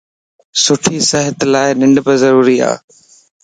سٺي صحت لا ننڊ بي ضروري ا